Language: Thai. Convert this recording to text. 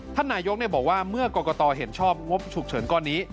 ท่านนายกบอกว่าเมื่อกรกตเห็นชอบงบฉุกเฉินก้อนนี้